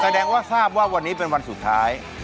แสดงว่าทราบว่าวันนี้เป็นวันสุดท้าย